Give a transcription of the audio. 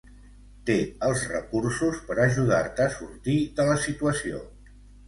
Té els recursos per ajudar-te a sortir de la situació